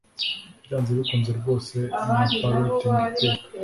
Byanze bikunze rwose na parroting iteka